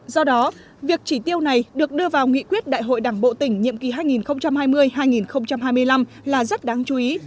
do đó việc chỉ tiêu này được đưa vào nghị quyết đại hội đảng bộ tỉnh nhiệm kỳ hai nghìn hai mươi hai nghìn hai mươi năm là rất đáng chú ý